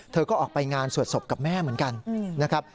เธอก็ออกไปงานสวดศพกับแม่เหมือนกันนะครับ